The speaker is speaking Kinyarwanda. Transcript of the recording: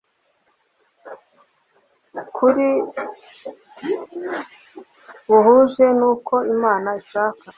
kr buhuje n uko imana ishaka